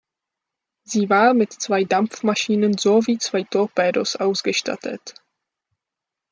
Sie war mit zwei Dampfmaschinen sowie zwei Torpedos ausgestattet.